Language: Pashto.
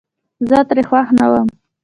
زه ترې خوښ نه ووم